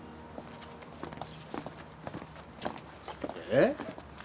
えっ？